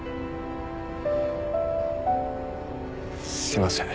すいません。